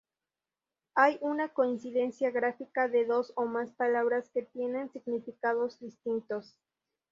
Hay una coincidencia gráfica de dos o más palabras que tienen significados distintos.